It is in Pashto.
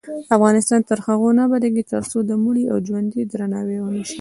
افغانستان تر هغو نه ابادیږي، ترڅو د مړي او ژوندي درناوی ونشي.